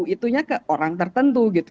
itunya ke orang tertentu gitu